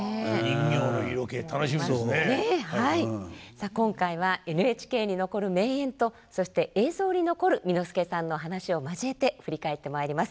さあ今回はＮＨＫに残る名演とそして映像に残る簑助さんの話を交えて振り返ってまいります。